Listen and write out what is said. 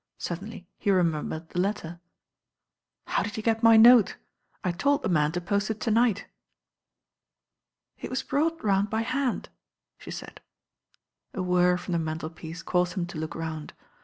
Suddenly he remembered the letter. "How did you get my note? I told the man to post it to night." "It was bi^ought round by hand," she said. A whirr from the mantelpiece caused him to look round.